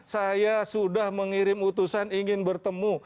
saya sudah mengirim utusan ingin bertemu